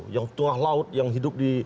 yang tengah laut yang hidup di